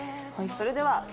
それでは。